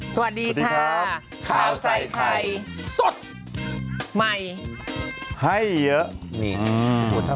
สวัสดีค่ะข่าวใส่ไพรสดใหม่ให้เยอะ